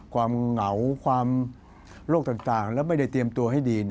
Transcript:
เหงาความโรคต่างแล้วไม่ได้เตรียมตัวให้ดี